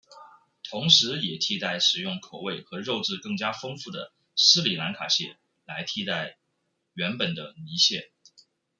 同时也替代使用口味和肉质更加丰富的斯里兰卡蟹来代替原本的泥蟹。